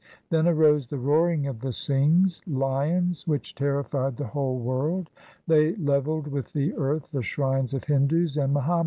Then aro:;e the roaring of the Singhs (lions) which terrified the whole world. They levelled with the earth the shrines of Hindus and Muhammadans. 1 Sabil.